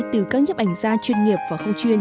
từ các nhếp ảnh gia chuyên nghiệp và không chuyên